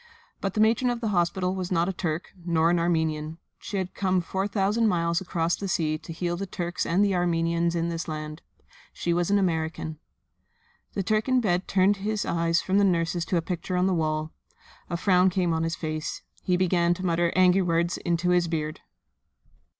But the matron of the hospital was not a Turk, nor an Armenian. She had come four thousand miles across the sea to heal the Turks and the Armenians in this land. She was an American. The Turk in bed turned his eyes from the nurses to a picture on the wall. A frown came on his face. He began to mutter angry words into his beard.